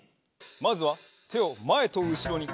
まずはてをまえとうしろに。